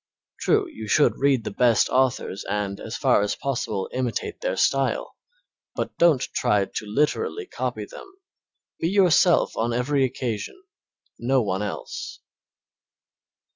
True, you should read the best authors and, as far as possible, imitate their style, but don't try to literally copy them. Be yourself on every occasion no one else.